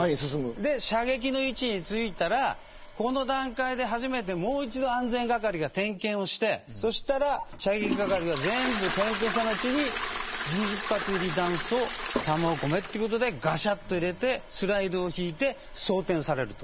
射撃の位置に着いたらこの段階で初めてもう一度安全係が点検をしてそうしたら射撃係が全部点検した後に２０発入り弾倉弾を込めということでガシャっと入れてスライドを引いて装填される。